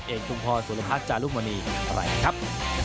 เอกทุ่งพลสุรพัฒน์จารุมณีไหล่ครับ